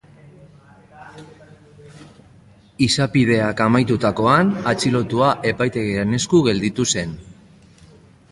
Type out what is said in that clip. Izapideak amaitutakoan, atxilotua epaitegiaren esku gelditu zen.